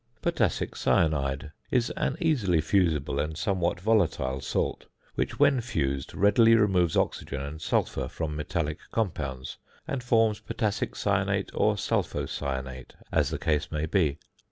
~Potassic Cyanide~ is an easily fusible and somewhat volatile salt, which, when fused, readily removes oxygen and sulphur from metallic compounds, and forms potassic cyanate or sulphocyanate as the case may be.